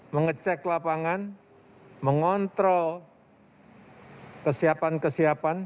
mengecek lapangan mengontrol kesiapan kesiapan